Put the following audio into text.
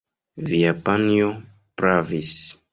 Via panjo pravis.